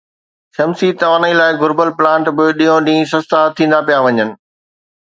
شمسي توانائي لاءِ گھربل پلانٽ به ڏينهون ڏينهن سستا ٿيندا پيا وڃن